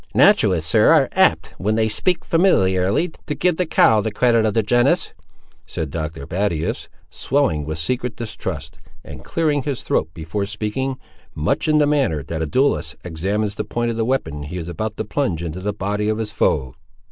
"Naturalists, sir, are apt, when they speak familiarly, to give the cow the credit of the genus," said Dr. Battius, swelling with secret distrust, and clearing his throat, before speaking, much in the manner that a duellist examines the point of the weapon he is about to plunge into the body of his foe.